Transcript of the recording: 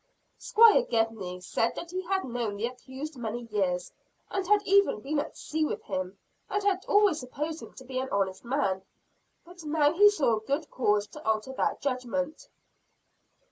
Squire Gedney said that he had known the accused many years, and had even been at sea with him, and had always supposed him to be an honest man; but now he saw good cause to alter that judgment.